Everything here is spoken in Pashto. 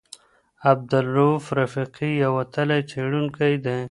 عبدالروف رفیقي یو وتلی څېړونکی دی.